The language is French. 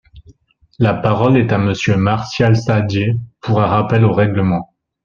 La parole est à Monsieur Martial Saddier, pour un rappel au règlement.